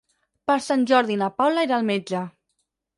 Per Sant Jordi na Paula irà al metge.